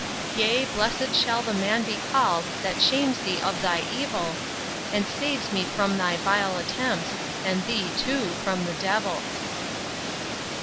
Yea, blessed shall the man be called That shames thee of thy evil, And saves me from thy vile attempts, And thee, too, from the d—l.